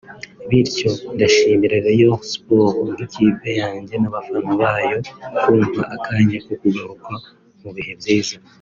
bityo ndashimira Rayon Sports nk’ikipe yanjye n’abafana bayo kumpa akanya ko kugaruka mu bihe byiza